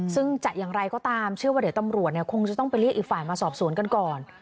ซึ่งจะอย่างไรก็ตามเชื่อว่าเดี๋ยวตำรวจคงจะต้องไปเรียกอีกฝ่ายมาสอบสวนกันก่อน